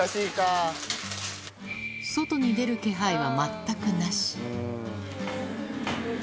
外に出る気配は全くなし。